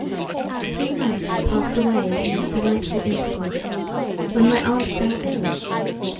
Three months passed away in this delightful intercourse, when my aunt fell ill.